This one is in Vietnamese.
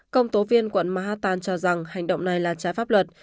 công tố viên quận mahatan cho rằng hành động này là trái pháp luật